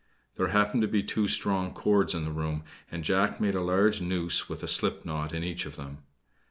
There happened to be two strong cords in the room, and Jack made a large noose with a slip knot in each of them.